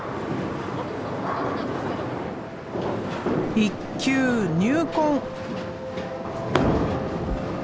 一球入魂。